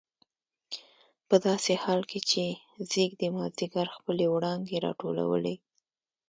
په داسې حال کې چې ځېږدي مازدیګر خپلې وړانګې راټولولې.